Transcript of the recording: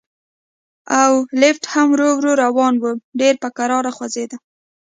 او لفټ هم ورو ورو روان و، ډېر په کراره خوځېده.